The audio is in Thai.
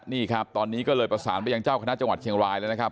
นี่ครับตอนนี้ก็เลยประสานไปยังเจ้าคณะจังหวัดเชียงรายแล้วนะครับ